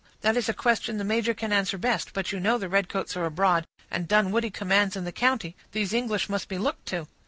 "That is a question the major can answer best; but you know the redcoats are abroad, and Dunwoodie commands in the county; these English must be looked to."